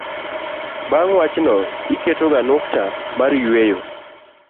bang' wach no, iketo ga nukta mar yueyo